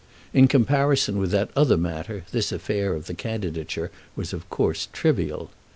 In comparison with that other matter this affair of the candidature was of course trivial.